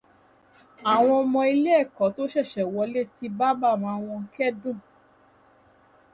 Àwọn ọmọ ilé ẹ̀kọ́ tó ṣẹ̀ṣẹ̀ wọlé ti bá màmá wọn kẹ́dùn